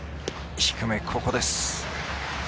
低め、ここです。